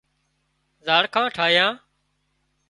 زاڙکان ٺاهيان